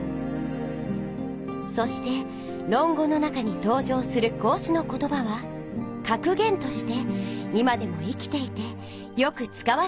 そして「論語」の中にとう場する孔子の言葉はかく言として今でも生きていてよくつかわれています。